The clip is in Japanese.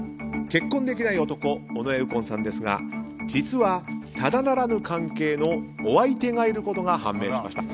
結婚できない男尾上右近さんですが実は、ただならぬ関係のお相手がいることが判明しました。